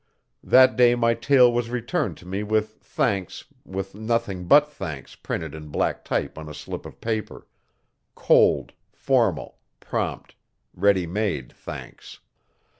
That day my tale was returned to me with thanks with nothing but thanks printed in black type on a slip of paper cold, formal, prompt, ready made thanks.